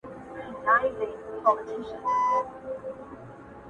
چي د زاغ په حواله سول د سروګلو درمندونه -